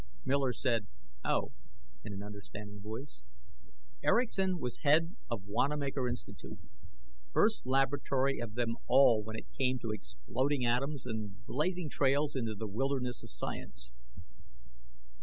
Miller said: "Oh!" in an understanding voice. Erickson was head of Wanamaker Institute, first laboratory of them all when it came to exploding atoms and blazing trails into the wildernesses of science.